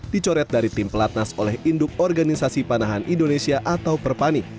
dicoret dari tim pelatnas oleh induk organisasi panahan indonesia atau perpani